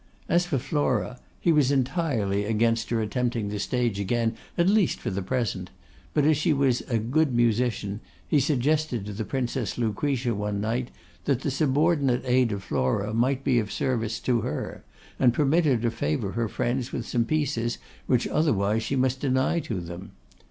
As for Flora, he was entirely against her attempting the stage again, at least for the present, but as she was a good musician, he suggested to the Princess Lucretia one night, that the subordinate aid of Flora might be of service to her, and permit her to favour her friends with some pieces which otherwise she must deny to them.